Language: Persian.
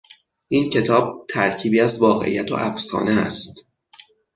این کتاب ترکیبی از واقعیت و افسانه است.